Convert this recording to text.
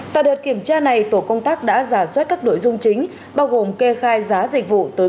tại đợt kiểm tra này tổ công tác đã giả soát các nội dung chính bao gồm kê khai giá dịch vụ tới